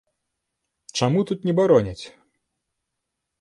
Чаму тут не бароняць?